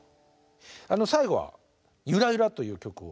最後は「ゆらゆら」という曲を。